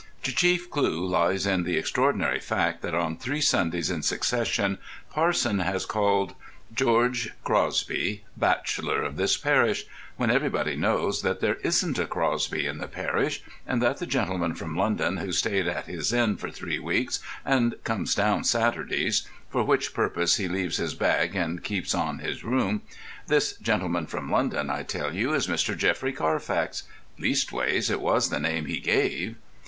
The chief clue lies in the extraordinary fact that on three Sundays in succession Parson has called "George Crosby, bachelor, of this parish," when everybody knows that there isn't a Crosby in the parish, and that the gentleman from London, who stayed at his inn for three weeks and comes down Saturdays—for which purpose he leaves his bag and keeps on his room—this gentleman from London, I tell you, is Mr. Geoffrey Carfax. Leastways it was the name he gave.